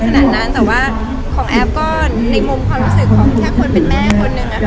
แต่ว่าของแอฟในมุมความรู้สึกที่แค่เป็นแม่คนหนึ่ง